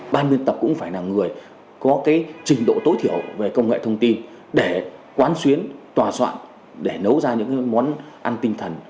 ban biên tập cũng phải là người có trình độ tối thiểu về công nghệ thông tin để quán xuyến tòa soạn để nấu ra những món ăn tinh thần